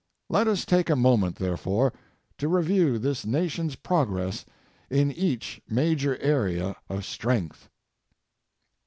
Let us take a moment, therefore, to review this Nation's progress in each major area of strength.